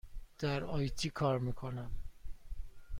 در آی تی کار می کنم.